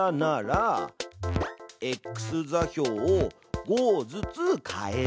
「ｘ座標を５ずつ変える」。